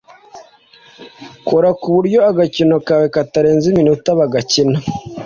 Kora ku buryo agakino kawe katarenza iminota bagakina